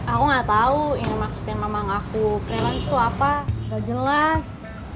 aku gak tau ini maksudnya mamang aku freelance itu apa gak jelas